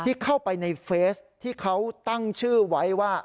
ที่เข้าไปในเฟสที่เขาตั้งชื่อไว้ว่า